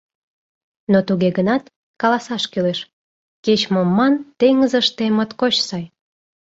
Но туге гынат, каласаш кӱлеш: кеч-мом ман, теҥызыште моткоч сай!